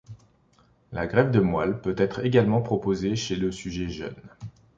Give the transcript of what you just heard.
La greffe de moelle peut être également proposé chez le sujet jeune.